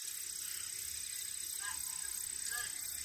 サマンサタバサ